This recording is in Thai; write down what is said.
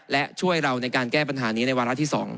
และช่วยเราในการแก้ปัญหานี้ในวาระที่๒